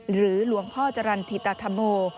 หรือหลวงพ่อจรรย์ธิตธรโม